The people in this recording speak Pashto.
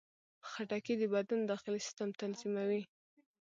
خټکی د بدن داخلي سیستم تنظیموي.